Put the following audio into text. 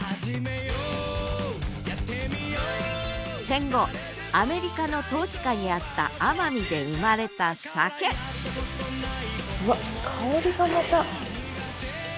戦後アメリカの統治下にあった奄美で生まれた酒うわっ香りがまた。